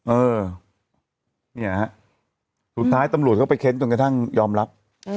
เออเนี่ยฮะสุดท้ายตำรวจเข้าไปเค้นจนกระทั่งยอมรับ